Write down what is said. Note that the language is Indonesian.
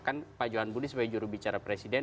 kan pak johan budi sebagai jurubicara presiden